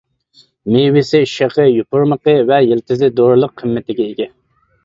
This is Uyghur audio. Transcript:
مېۋىسى، شېخى، يوپۇرمىقى ۋە يىلتىزى دورىلىق قىممىتىگە ئىگە.